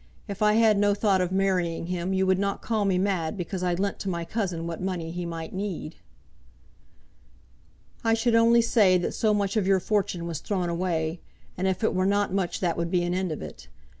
If I had no thought of marrying him you would not call me mad because I lent to my cousin what money he might need." "I should only say that so much of your fortune was thrown away, and if it were not much that would be an end of it.